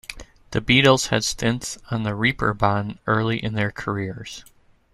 The Beatles had stints on the Reeperbahn early in their careers.